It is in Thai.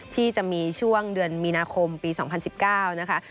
ที่จะมีช่วงเดือนมีนาคมปี๒๐๑๙นะคะ